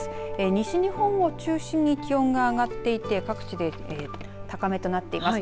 西日本を中心に気温が上がっていて、各地で高めとなっています。